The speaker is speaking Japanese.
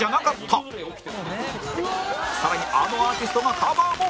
更にあのアーティストがカバーも！